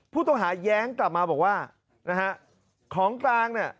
ผู้ต้องหาย้างกลับมาบอกว่าของต่าง